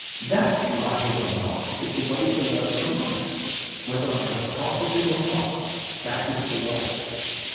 That, like it or not, is the way to learn to write; whether I have profited or not, that is the way.